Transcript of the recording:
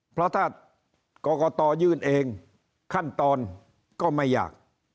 เพราะถ้ากรกตยื่นเองขั้นตอนก็ไม่อยาก